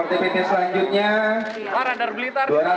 bilik satu ya pak